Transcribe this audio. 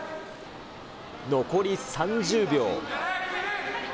残り３０秒。